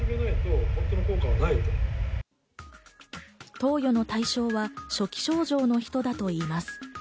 投与の対象は初期症状の人だといいます。